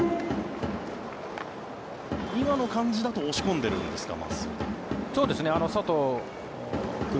今の感じだと押し込んでるんですか？